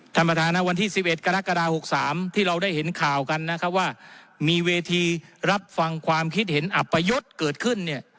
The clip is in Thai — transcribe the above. ท่านประธานนะวันที่๑๑กรกฎา๖๓ที่เราได้เห็นข่าวกันนะครับว่ามีเวทีรับฟังความคิดเห็นอัปยศเกิดขึ้นเนี่ย